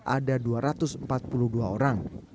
ada dua ratus empat puluh dua orang